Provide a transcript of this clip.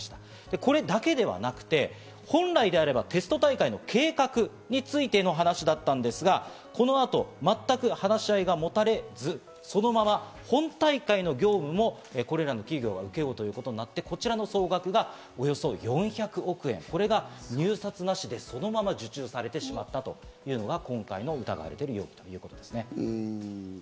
これだけではなくて、本来であればテスト大会の計画についての話だったんですが、この後、全く話し合いがもたれず、そのまま本大会の業務も、これらの企業が請け負うということになって、こちらの総額がおよそ４００億円、これが入札なしで、そのまま受注されてしまったというのが今回の疑いということですね。